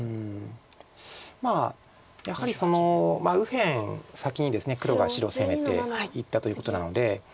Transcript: まあやはり右辺先にですね黒が白を攻めていったということなので。